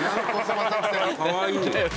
かわいい。